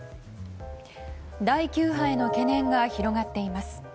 第９波への懸念が広がっています。